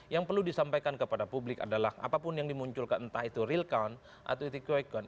yang perlu disampaikan kepada publik adalah apapun yang dimunculkan entah itu real count atau itu quick count